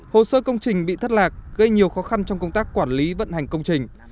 hồ sơ công trình bị thất lạc gây nhiều khó khăn trong công tác quản lý vận hành công trình